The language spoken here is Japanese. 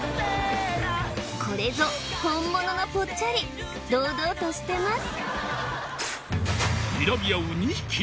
これぞ本物のぽっちゃり堂々としてます